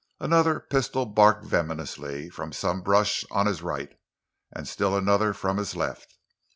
Another pistol barked venomously from some brush on his right, and still another from his left.